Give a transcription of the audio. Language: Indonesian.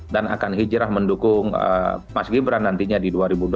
dan akan hijrah mendukung mas gibran nantinya di dua ribu dua puluh empat